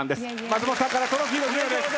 松本さんからトロフィーの授与です。